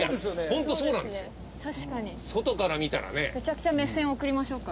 めちゃくちゃ目線送りましょうか。